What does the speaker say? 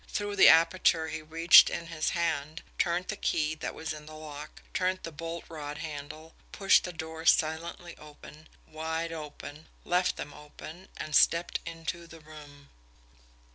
Through the aperture he reached in his hand, turned the key that was in the lock, turned the bolt rod handle, pushed the doors silently open wide open left them open and stepped into the room.